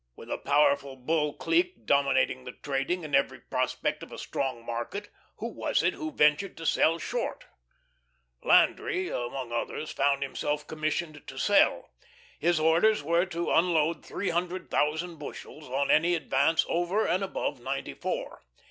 With a powerful Bull clique dominating the trading and every prospect of a strong market, who was it who ventured to sell short? Landry among others found himself commissioned to sell. His orders were to unload three hundred thousand bushels on any advance over and above ninety four.